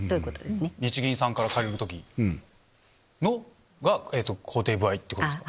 日銀さんから借りる時が公定歩合ってことですよね。